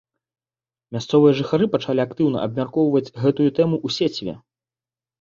Мясцовыя жыхары пачалі актыўна абмяркоўваць гэтую тэму ў сеціве.